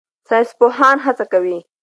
ساینسپوهان هڅه کوي.